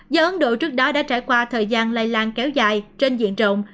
do ấn độ trước đó đã trải qua thời gian lây lan kéo dài trên diện rộng